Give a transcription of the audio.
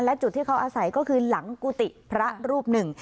และจุดที่เขาอาศัยก็คือหลังกุฏิพระรูปหนึ่ง